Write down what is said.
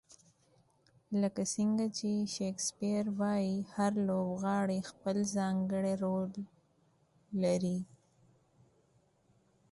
لکه څنګه چې شکسپیر وایي، هر لوبغاړی خپل ځانګړی رول لري.